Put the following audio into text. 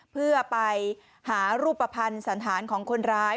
เพื่อไปหารูปภัณฑ์สันธารของคนร้าย